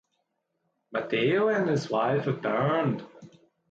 Mateo and his wife return.